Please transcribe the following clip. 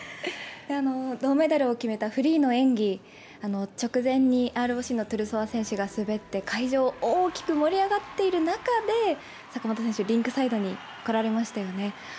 銅メダルを決めたフリーの演技直前にＲＯＣのトゥルソワ選手が滑って会場大きく盛り上がっている中で坂本選手、リンクサイドに来られましたよね。